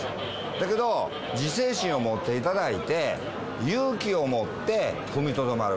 だけど、自制心を持っていただいて、勇気を持って踏みとどまる。